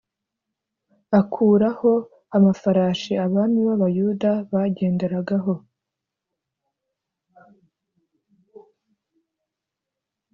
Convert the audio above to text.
Akuraho amafarashi abami b’ Abayuda bagenderagaho